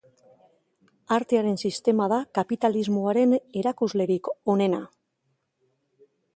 Artearen sistema da kapitalismoaren erakuslerik onena.